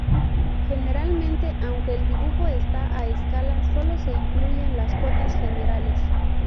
Generalmente, aunque el dibujo está a escala solo se incluyen las cotas generales.